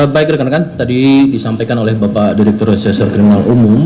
baik rekan rekan tadi disampaikan oleh bapak direktur resesor kriminal umum